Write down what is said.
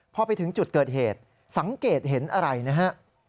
พอไปถึงจุดเกิดเหตุสังเกตเห็นอะไรนะฮะ